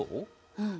うん。